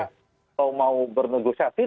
kalau mau bernegosiasi lah